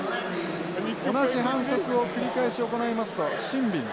同じ反則を繰り返し行いますとシンビン